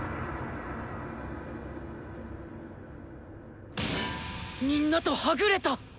心の声みんなとはぐれた。